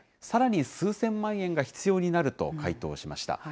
さらに、数千万円が必要になると回答しました。